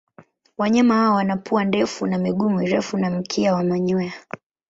Wanyama hawa wana pua ndefu na miguu mirefu na mkia wa manyoya.